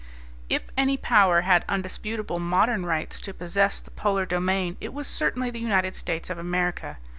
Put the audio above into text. If any power had undisputable modern rights to possess the polar domain it was certainly the United States of America.